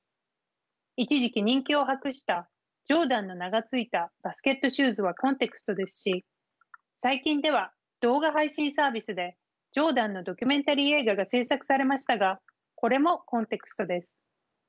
一時期人気を博した「ジョーダン」の名が付いたバスケットシューズはコンテクストですし最近では動画配信サービスでジョーダンのドキュメンタリー映画が制作されましたがこれもコンテクストです。